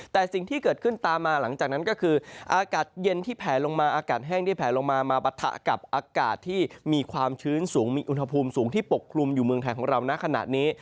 แต่สิ่งที่เกิดขึ้นตามมาหลังจากนั้นก็คืออากาศเย็นที่แผลลงมาอากาศแห้งได้แผลลงมามาปะทะกับอากาศที่มีความชื้นสูงมีอุณหภูมิสูงที่ปกคลุมอยู่เมืองไทยของเรานะขณะนี้